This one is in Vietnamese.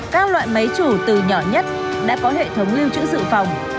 các loại máy chủ từ nhỏ nhất đã có hệ thống lưu trữ dự phòng